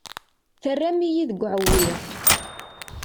Terram-iyi deg uɛewwiq.